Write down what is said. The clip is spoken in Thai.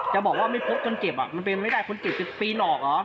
จะบอกว่าไม่พบจนเจ็บมันเป็นไม่ได้คนเจ็บจะปีนหลอกเหรอ